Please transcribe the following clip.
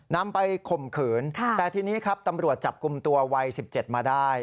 นำไปข่มขืนแต่ทีนี้ครับตำรวจจับกลุ่มตัววัย๑๗มาได้